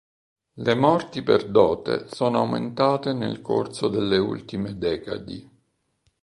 Le morti per dote sono aumentate nel corso delle ultime decadi.